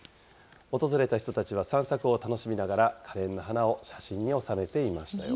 訪れた人たちは散策を楽しみながら、かれんな花を写真に収めていましたよ。